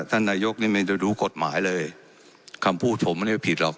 ท่านนายกนี่มันจะรู้กฎหมายเลยคำพูดผมมันไม่ผิดหรอก